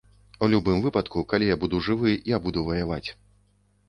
У любым выпадку, калі я буду жывы, я буду ваяваць.